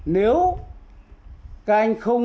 nếu các anh không